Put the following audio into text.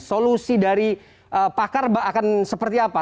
solusi dari pakar akan seperti apa